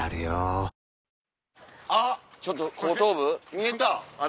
見えた！